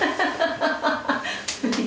ハハハハッ。